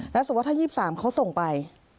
แล้วสมมุติถ้า๒๓เขาส่งไป